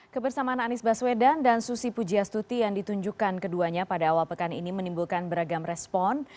kebersamaan anies baswedan dan susi pujiastuti yang ditunjukkan keduanya pada awal pekan ini menimbulkan beragam respon